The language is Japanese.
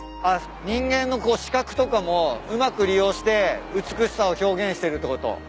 あっ人間の視覚とかもうまく利用して美しさを表現してるってこと？